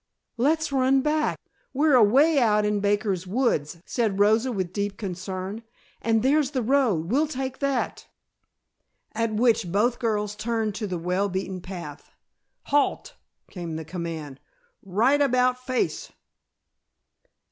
"Let's run back; we're away out in Baker's Woods," said Rosa with deep concern. "And there's the road. We'll take that," at which both girls turned to the well beaten path. "Halt!" came the command. "Right about face!"